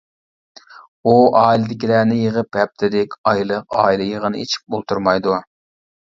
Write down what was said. ئۇ ئائىلىدىكىلەرنى يىغىپ ھەپتىلىك، ئايلىق ئائىلە يىغىنى ئېچىپ ئولتۇرمايدۇ.